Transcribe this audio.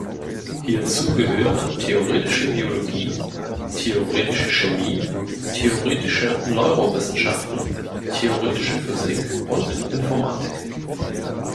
Hierzu gehören Theoretische Biologie, Theoretische Chemie, Theoretische Neurowissenschaften, Theoretische Physik und Informatik.